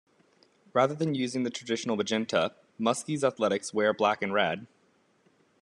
Rather than using the traditional magenta, Muskies athletics wear black and red.